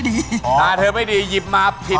เบ้ออะไร